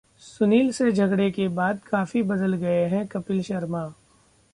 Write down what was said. सुनील से झगड़े के बाद काफी बदल गए हैं कपिल शर्मा!